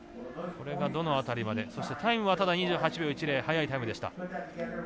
これがどの辺りまでタイムは２８秒１０、速いタイムでした。